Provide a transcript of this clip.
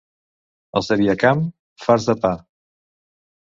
Els de Viacamp, farts de pa.